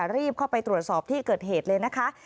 รีบเข้าไปตรวจสอบที่เกิดเหตุเลยนะคะ